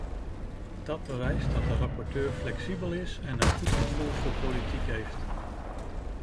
Dat bewijst dat de rapporteur flexibel is en een goed gevoel voor politiek heeft.